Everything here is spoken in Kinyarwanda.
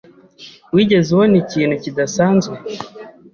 Wigeze ubona ikintu kidasanzwe?